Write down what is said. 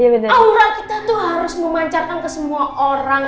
ya kan kita tuh harus aura kita tuh harus memancarkan ke semua orang